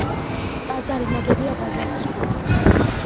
ტაძარი ნაგებია ბაზალტის ქვით.